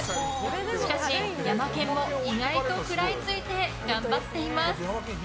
しかし、ヤマケンも意外と食らいついて頑張っています。